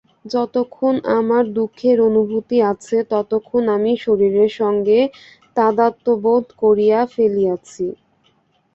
যতক্ষণ আমার দুঃখের অনুভূতি আছে, ততক্ষণ আমি শরীরের সঙ্গে তাদাত্ম্যবোধ করিয়া ফেলিয়াছি।